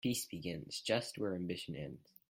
Peace begins just where ambition ends.